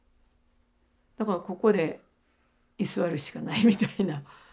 だからここで居座るしかないみたいな。